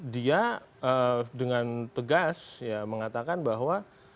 dia dengan tegas mengatakan bahwa